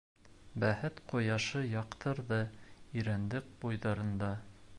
Бәхет ҡояшы яҡтырҙы Ирәндек буйҙарында.